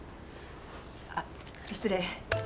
あっ失礼。